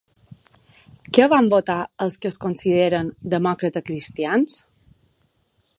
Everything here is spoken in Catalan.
Què van votar els que es consideren demòcrata-cristians?